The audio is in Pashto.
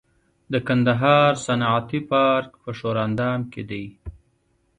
د کندهار صنعتي پارک په ښوراندام کې دی